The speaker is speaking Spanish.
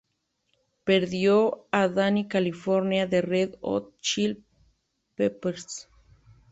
Perdió a "Dani California" de Red Hot Chili Peppers.